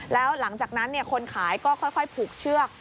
แล้วหลังจากนั้นคนขายก็ค่อยผูกเชือก